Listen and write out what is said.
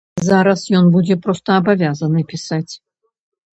Зараз ён будзе проста абавязаны пісаць.